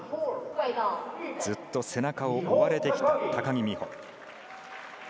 ずっと背中を追われてきた高木美帆。